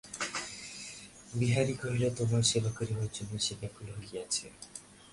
বিহারী কহিল, তোমার সেবা করিবার জন্য সে ব্যাকুল হইয়া আছে।